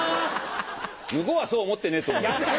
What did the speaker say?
向こうはそうは思ってねえと思う。